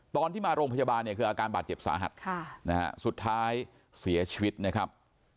ตอนที่มาโรงพยาบาลเนี่ยคืออาการบาดเจ็บสาหัสสุดท้ายเสียชีวิตนะครับ